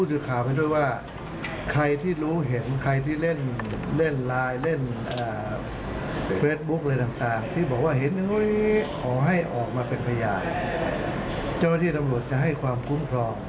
เจ้าหน้าที่ตำรวจจะให้ความคุ้มครอง